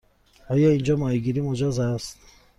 آیا اینجا ماهیگیری مجاز است؟